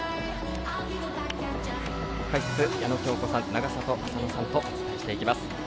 解説、矢野喬子さん永里亜紗乃さんとお伝えしていきます。